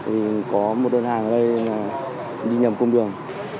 vì có một đơn hàng ở đây đi nhầm cung đường